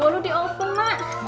bolu diopeng mak